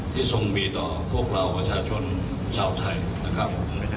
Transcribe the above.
ทรงมีต่อพวกเราประชาชนชาวไทยนะครับ